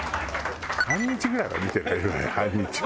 半日ぐらいは見てられるわよ半日は。